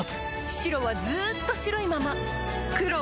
黒はずっと黒いまま